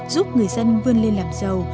giúp người dân vươn lên làm giàu